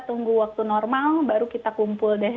tunggu waktu normal baru kita kumpul deh